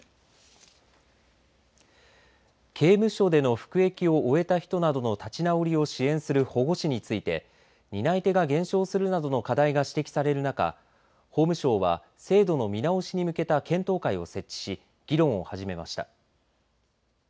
刑務所での服役を終えた人などの立ち直りを支援する保護司について担い手が減少するなどの課題が指摘される中法務省は制度の見直しに向けた検討会を設置し議論を始めました。